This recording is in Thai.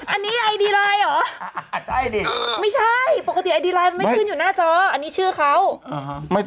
อันนี้ไอดีไลน์เหรอไม่ใช่ปกติไอดีไลน์ไม่ขึ้นอยู่หน้าจออันนี้ชื่อเขา